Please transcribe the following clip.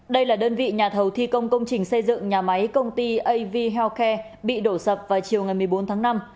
đây là đơn vị nhà thầu thi công công trình xây dựng nhà máy công ty av healthcare bị đổ sập vào chiều ngày một mươi bốn tháng năm